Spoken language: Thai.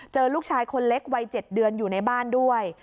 ลูกชายคนเล็กวัย๗เดือนอยู่ในบ้านด้วย